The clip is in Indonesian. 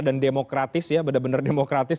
dan demokratis ya benar benar demokratis